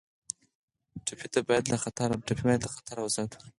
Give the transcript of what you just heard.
ټپي ته باید له خطره وساتو.